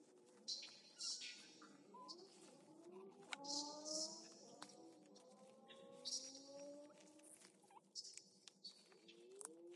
Un šie grozījumi paredz dažus tehniskus labojumus saistībā ar Lauku atbalsta dienestu.